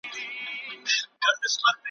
خو د دې قوم د یو ځای کولو ,